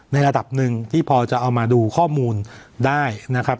ระดับหนึ่งที่พอจะเอามาดูข้อมูลได้นะครับ